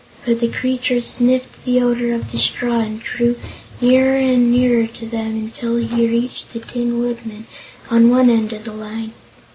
But the creature sniffed the odor of the straw and drew nearer and nearer to them until he reached the Tin Woodman, on one end of the line.